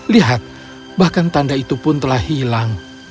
lihat bahkan tanda itu pun telah hilang